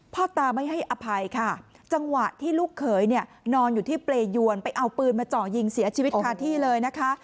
พ่อตาไม่ให้อภัยค่ะจังหวะที่ลูกเขยเนี่ยนอนอยู่ที่เปรยวนไปเอาปืนมาเจาะยิงเสียชีวิตคาที่เลยนะคะ